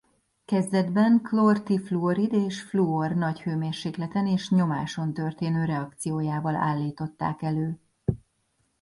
Kezdetben klór-trifluorid és fluor nagy hőmérsékleten és nyomáson történő reakciójával állították elő.